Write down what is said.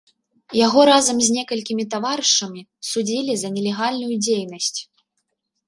Яго разам з некалькімі таварышамі судзілі за нелегальную дзейнасць.